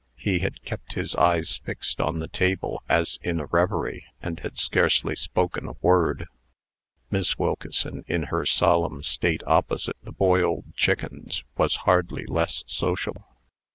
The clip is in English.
He had kept his eyes fixed on the table as in a revery, and had scarcely spoken a word. Miss Wilkeson, in her solemn state opposite the boiled chickens, was hardly less social.